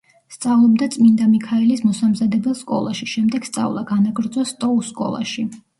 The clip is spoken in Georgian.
სწავლობდა წმინდა მიქაელის მოსამზადებელ სკოლაში, შემდეგ სწავლა განაგრძო სტოუს სკოლაში.